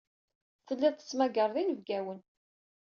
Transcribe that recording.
Telliḍ tettmagareḍ inebgawen.